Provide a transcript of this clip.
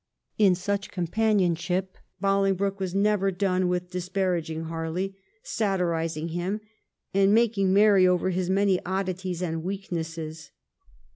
In such companionship Bolingbroke was never done with disparaging Harley, satirising him, and making merry over his many oddities and weaknesses.